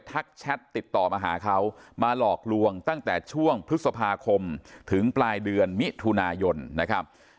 แชทติดต่อมาหาเขามาหลอกลวงตั้งแต่ช่วงพฤษภาคมถึงปลายเดือนมิถุนายนนะครับ